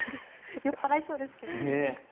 酔っ払いそうですけどね。